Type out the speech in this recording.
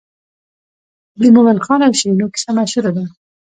د مومن خان او شیرینو کیسه مشهوره ده.